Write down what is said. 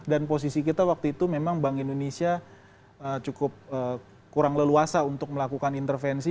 dan posisi kita waktu itu memang bank indonesia cukup kurang leluasa untuk melakukan intervensi